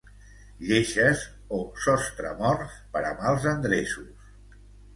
Lleixes o sostremorts per a mals endreços.